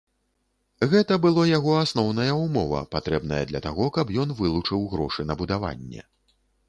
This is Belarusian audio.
Гэта было яго асноўная ўмова, патрэбная для таго, каб ён вылучыў грошы на будаванне.